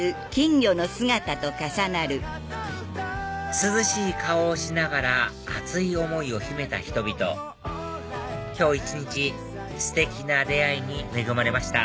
涼しい顔をしながら熱い思いを秘めた人々今日一日ステキな出会いに恵まれました